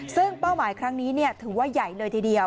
ซึ่งเป้าหมายครั้งนี้ถือว่าใหญ่เลยทีเดียว